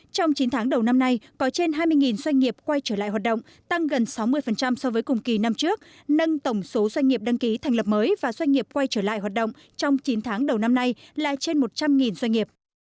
trong chín tháng đầu năm nay có trên hai mươi doanh nghiệp quay trở lại hoạt động tăng gần sáu mươi so với cùng kỳ năm trước nâng tổng số doanh nghiệp đăng ký thành lập mới và doanh nghiệp quay trở lại hoạt động trong chín tháng đầu năm nay là trên một trăm linh doanh nghiệp